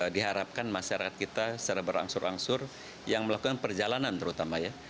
diharapkan masyarakat kita secara berangsur angsur yang melakukan perjalanan terutama ya